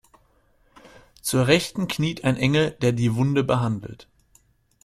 Zur Rechten kniet ein Engel, der die Wunde behandelt.